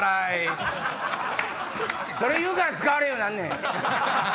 それ言うから使われんようになんねん！